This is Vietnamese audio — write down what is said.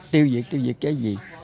tiêu diệt tiêu diệt cái gì